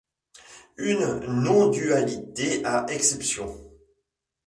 Une non-dualité à exceptions.